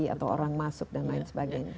atau orang masuk dan lain sebagainya